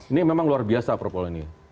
ini memang luar biasa perpol ini